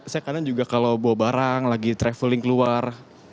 saya kadang juga kalau bawa barang lagi traveling keluar